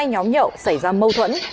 hai nhóm nhậu xảy ra mâu thuẫn